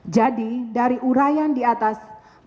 jadi dari urayan di atas